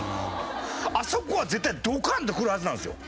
あそこは絶対ドカンとくるはずなんですよ。